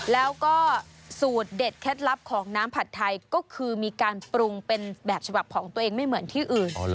แล้วก็สูตรเด็ดเคล็ดลับของน้ำผัดไทยก็คือมีการปรุงเป็นแบบฉบับของตัวเองไม่เหมือนที่อื่น